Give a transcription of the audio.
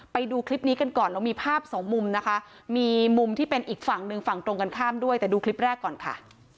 ไปดูคลิปนี้กันก่อนเรามีภาพสองมุมนะคะมีมุมที่เป็นอีกฝั่งหนึ่งฝั่งตรงกันข้ามด้วยแต่ดูคลิปแรกก่อนค่ะ